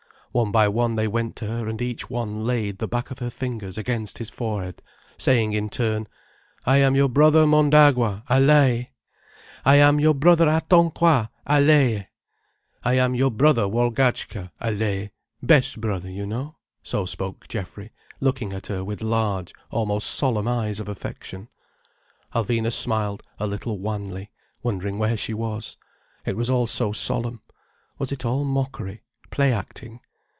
One by one they went to her and each one laid the back of her fingers against his forehead, saying in turn: "I am your brother Mondagua, Allaye!" "I am your brother Atonquois, Allaye!" "I am your brother Walgatchka, Allaye, best brother, you know—" So spoke Geoffrey, looking at her with large, almost solemn eyes of affection. Alvina smiled a little wanly, wondering where she was. It was all so solemn. Was it all mockery, play acting?